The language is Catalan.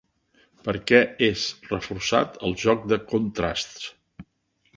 Per què és reforçat el joc de contrasts?